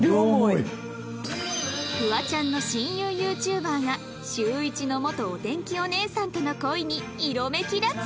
フワちゃんの親友 ＹｏｕＴｕｂｅｒ が『シューイチ』の元お天気お姉さんとの恋に色めきだつ